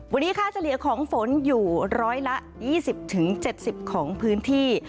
วันนี้ค่าเจรียของฝนอยู่๑๒๐๗๐ของพื้นที่